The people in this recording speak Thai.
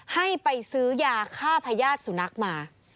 ให้ไปซื้อยาฆ่าพญาติสุนัขมา